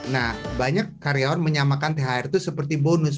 nah banyak karyawan menyamakan thr itu seperti bonus